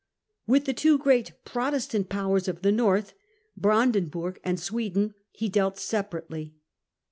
With the two great Protestant powers of the north, Brandenburg and Sweden, he dealt separately.